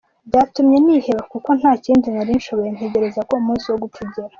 Byatumye niheba kuko ntakindi nari nshoboye, ntegereza ko umunsi wo gupfa ugera.